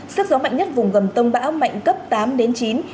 sức gió mạnh nhất vùng gần tâm bão mạnh cấp tám đến chín